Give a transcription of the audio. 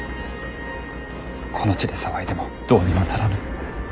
この地で騒いでもどうにもならぬ。